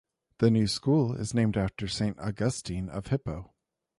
The new school is named after Saint Augustine of Hippo.